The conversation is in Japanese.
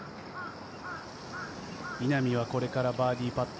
稲見はこれからバーディーパット。